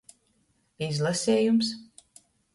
Izlasejums.